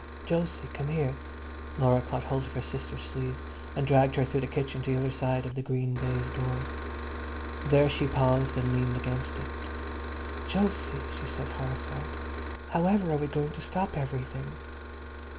"Jose, come here." Laura caught hold of her sister's sleeve and dragged her through the kitchen to the other side of the green baize door. There she paused and leaned against it. "Jose!" she said, horrified, "however are we going to stop everything?"